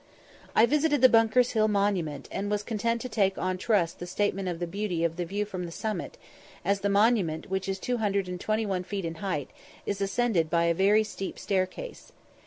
I visited the Bunker's Hill monument, and was content to take on trust the statement of the beauty of the view from the summit, as the monument, which is 221 feet in height, is ascended by a very steep staircase.